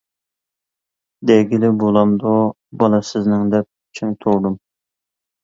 دېگىلى بولامدۇ، بالا سىزنىڭ دەپ چىڭ تۇردۇم.